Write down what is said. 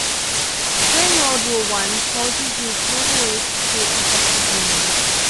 During World War One, soldiers used silver leaf to treat infected wounds.